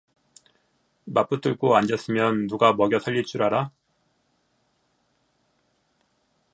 맞붙들고 앉았으면 누가 먹여 살릴 줄 알아